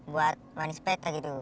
buat wanis peta gitu